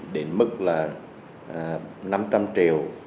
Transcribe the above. đến mức là năm trăm linh triệu